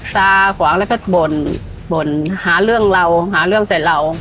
ตาขวางแล้วก็บ่นบ่นหาเรื่องเราหาเรื่องใส่เรา